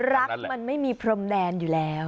รักมันไม่มีพรมแดนอยู่แล้ว